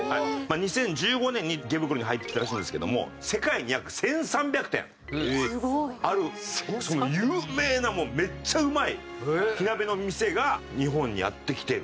２０１５年に池袋に入ってきたらしいんですけども世界に約１３００店ある有名なめっちゃうまい火鍋の店が日本にやって来てる。